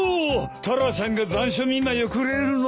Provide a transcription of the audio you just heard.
タラちゃんが残暑見舞いをくれるのか？